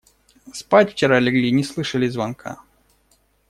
Спать вчера легли, не слышали звонка.